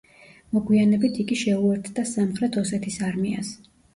მოგვიანებით იგი შეუერთდა სამხრეთ ოსეთის არმიას.